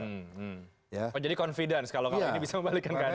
oh jadi confidence kalau ini bisa membalikkan keadaan